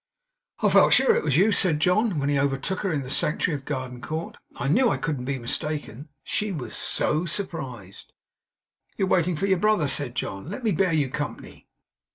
'I felt sure it was you,' said John, when he overtook her in the sanctuary of Garden Court. 'I knew I couldn't be mistaken.' She was SO surprised. 'You are waiting for your brother,' said John. 'Let me bear you company.